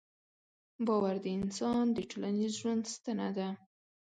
باور د انسان د ټولنیز ژوند ستنه ده.